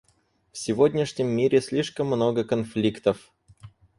В сегодняшнем мире слишком много конфликтов.